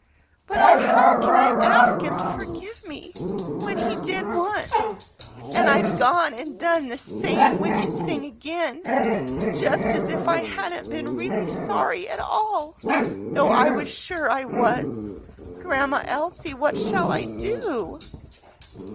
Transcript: But oh, how can I ask Him to forgive me, when He did once, and I've gone and done the same wicked thing again, just as if I hadn't been really sorry at all, though I was sure I was! Grandma Elsie, what shall I do?"